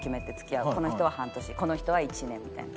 この人は半年この人は１年みたいな。